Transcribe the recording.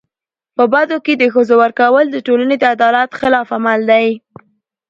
په بدو کي د ښځو ورکول د ټولني د عدالت خلاف عمل دی.